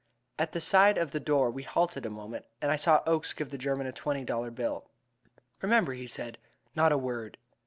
At the side of the door we halted a moment, and I saw Oakes give the German a twenty dollar bill. "Remember," he said, "not a word."